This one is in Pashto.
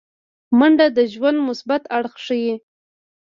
منډه د ژوند مثبت اړخ ښيي